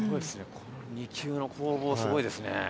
この２球のこうぼうすごいですね。